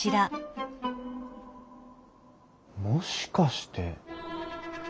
もしかして。